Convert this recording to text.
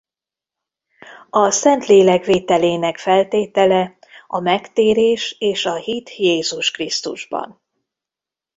A Szentlélek vételének feltétele a megtérés és a hit Jézus Krisztusban.